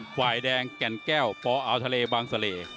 ฝ่ายแดงแก่นแก้วปอาวทะเลบางเสล่